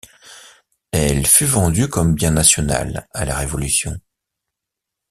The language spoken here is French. Elle fut vendue comme bien national à la Révolution.